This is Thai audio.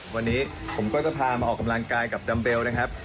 วันนี้ผมก็จะพามาออกกำลังกายกับดัมเบลนะครับ